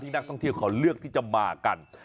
นักท่องเที่ยวเขาเลือกที่จะมากัน